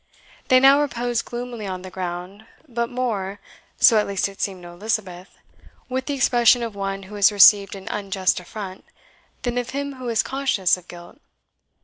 They now reposed gloomily on the ground, but more so at least it seemed to Elizabeth with the expression of one who has received an unjust affront, than of him who is conscious of guilt.